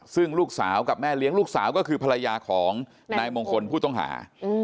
ซึ่งลูกสาวกับแม่เลี้ยงลูกสาวก็คือภรรยาของนายมงคลผู้ต้องหา